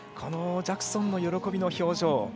ジャクソンの喜びの表情。